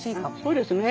そうですね。